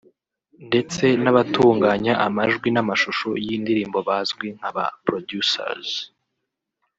ndetse n’abatunganya amajwi n’amashusho y’indirimbo bazwi nk’aba producers